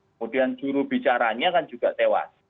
kemudian jurubicaranya kan juga tewas